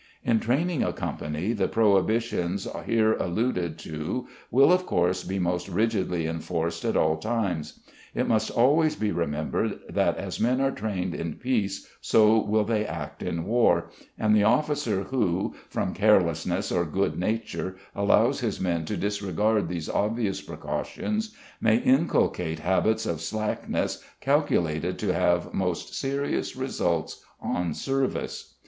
In training a company the prohibitions here alluded to will, of course, be most rigidly enforced at all times. It must always be remembered that as men are trained in peace so will they act in war, and the officer who, from carelessness or good nature, allows his men to disregard these obvious precautions may inculcate habits of slackness calculated to have most serious results on service.